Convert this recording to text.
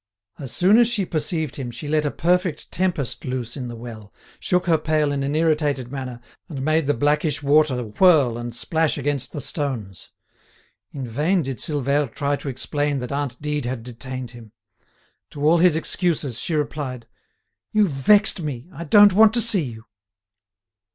As soon as she perceived him she let a perfect tempest loose in the well, shook her pail in an irritated manner, and made the blackish water whirl and splash against the stones. In vain did Silvère try to explain that aunt Dide had detained him. To all his excuses she replied: "You've vexed me; I don't want to see you."